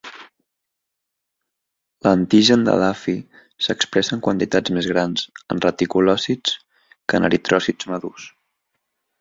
L'antigen de Duffy s'expressa en quantitats més grans en reticulòcits que en eritròcits madurs.